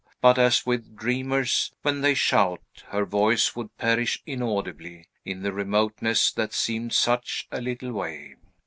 but, as with dreamers when they shout, her voice would perish inaudibly in the remoteness that seemed such a little way.